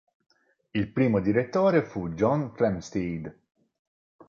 Il primo direttore fu John Flamsteed.